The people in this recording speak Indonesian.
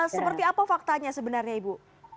seperti apa faktanya sebenarnya ibu